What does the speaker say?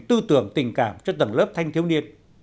tư tưởng tình cảm cho tầng lớp thanh thiếu niên